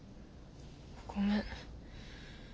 ごめん。